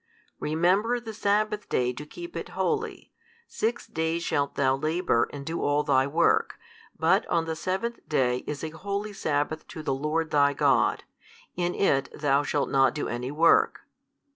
Remember the sabbath day to keep it holy, six days shalt thou labour and do all thy work, but on the seventh day is a holy sabbath to the Lord thy God: in it thou shalt not do any work.